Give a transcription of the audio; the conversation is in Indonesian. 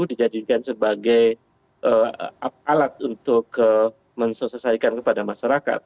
dijadikan sebagai alat untuk mensosiasikan kepada masyarakat